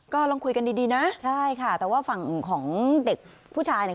ก็ลองคุยกันดีดีนะใช่ค่ะแต่ว่าฝั่งของเด็กผู้ชายเนี่ย